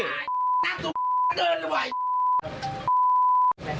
นักสุบ๊ะเดินไว้